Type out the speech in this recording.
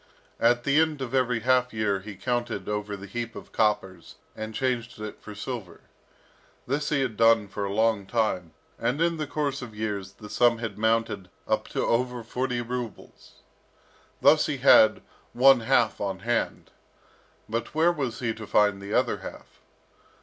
At the end of every half year he counted over the heap of coppers, and changed it for silver. This he had done for a long time, and in the course of years, the sum had mounted up to over forty rubles. Thus he had one half on hand. But where was he to find the other half?